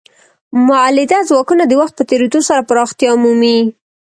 مؤلده ځواکونه د وخت په تیریدو سره پراختیا مومي.